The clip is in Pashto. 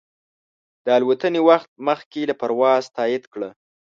د الوتنې وخت مخکې له پروازه تایید کړه.